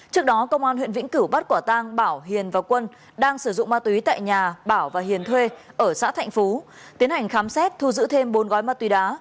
trước đó công an huyện vĩnh cửu bắt quả tang bảo hiền và quân đang sử dụng ma túy tại nhà bảo và hiền thuê ở xã thạnh phú tiến hành khám xét thu giữ thêm bốn gói ma túy đá